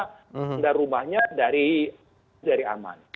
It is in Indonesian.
mengundang rumahnya dari aman